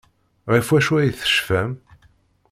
Ɣef wacu ay tecfam?